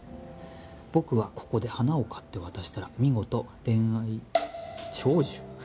「僕はここで花を買って渡したら見事恋愛」「長寿」？